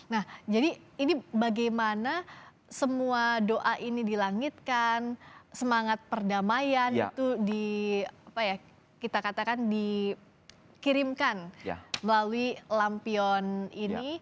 nah jadi ini bagaimana semua doa ini dilangitkan semangat perdamaian itu kita katakan dikirimkan melalui lampion ini